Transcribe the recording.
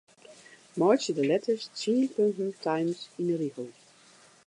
Meitsje de letters tsien punten Times yn 'e rigel.